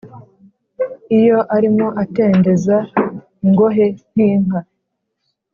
iyo arimo atendeza ingohe nk’inka